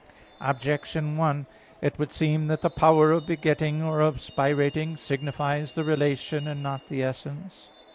Objection 1: It would seem that the power of begetting, or of spirating, signifies the relation and not the essence.